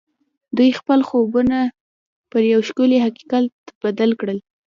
دوی خپل خوبونه پر یو ښکلي حقیقت بدل کړل